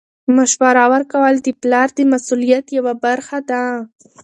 مشوره ورکول د پلار د مسؤلیت یوه برخه ده.